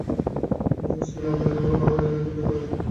Mrs ক্লেম-এর কন্যা ভার্জিনিয়াকে বিয়ে করেন।